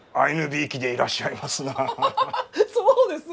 そうですね。